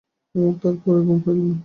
আমার তো তার পরে ঘুম হইল না।